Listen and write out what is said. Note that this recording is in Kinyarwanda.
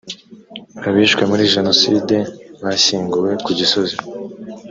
abishwe muri jenoside bashyinguye kugisozi.